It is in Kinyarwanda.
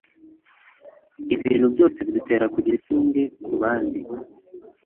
Ibintu byose bidutera kugira isumbwe ku bandi,